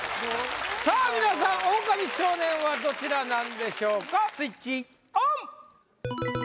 さあ皆さんオオカミ少年はどちらなんでしょうかスイッチオン！